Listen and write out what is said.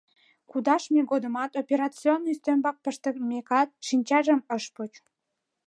Кудашме годымат, операционный ӱстембак пыштымекат, шинчажым ыш поч.